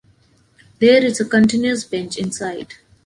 There is a continuous bench inside.